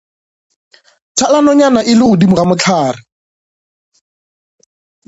Thala nonyana e le godimo ga mohlare.